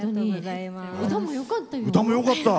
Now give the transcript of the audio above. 歌もよかったよ。